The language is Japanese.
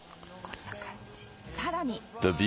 さらに。